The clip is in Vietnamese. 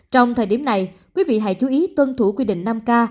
trong thời điểm này quý vị hãy chú ý tuân thủ quy định năm k